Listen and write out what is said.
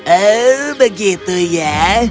oh begitu ya